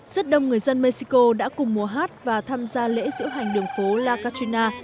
rất đông người dân mexico đã cùng mùa hát và tham gia lễ diễu hành đường phố la cachina